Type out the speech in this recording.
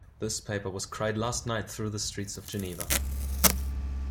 This paper was cried last night through the streets of Geneva.